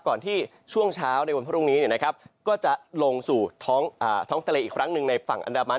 ก่อนที่ช่วงเช้าในวันพรุ่งนี้ก็จะลงสู่ท้องทะเลอีกครั้งหนึ่งในฝั่งอันดามัน